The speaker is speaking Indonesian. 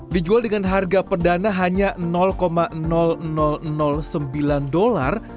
dijual dengan harga perdana hanya rp enam